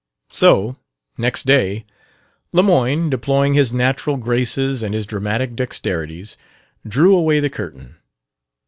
So next day, Lemoyne, deploying his natural graces and his dramatic dexterities, drew away the curtain.